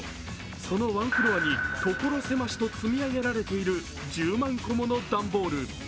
そのワンフロアに所狭しと積み上げられている１０万個もの段ボール。